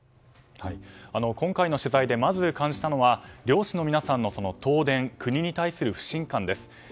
今回の取材で、まず感じたのは漁師の皆さんの東電、国に対する不信感です。